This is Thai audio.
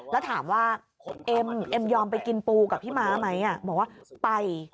แล้วถามว่าเอ็มเอ็มยอมไปกินปูกับพี่ม้าไหมบอกว่าไป